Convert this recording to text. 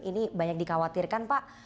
ini banyak dikhawatirkan pak